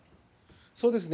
そうですね。